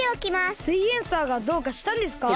「すイエんサー」がどうかしたんですか？